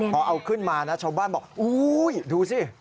พอเอาขึ้นมานะชาวบ้านบอกอุ้ยดูสิ